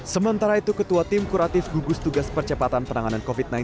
sementara itu ketua tim kuratif gugus tugas percepatan penanganan covid sembilan belas